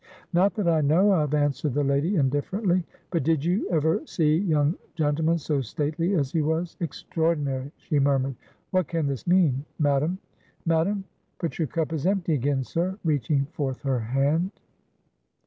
"Not that I know of," answered the lady, indifferently, "but did you ever see young gentleman so stately as he was! Extraordinary!" she murmured; "what can this mean Madam Madam? But your cup is empty again, sir" reaching forth her hand.